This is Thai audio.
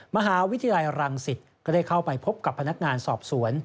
มหาวิทยาลัยรังสิตก็ได้เข้าไปพบกับพนักงานสอบสวน